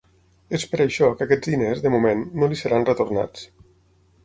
És per això que aquests diners, de moment, no li seran retornats.